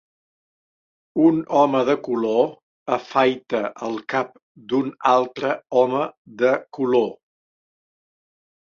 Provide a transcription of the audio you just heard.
Un home de color afaita el cap d"un altre home de color.